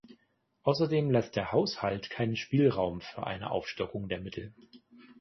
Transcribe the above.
Außerdem lässt der Haushalt keinen Spielraum für eine Aufstockung der Mittel.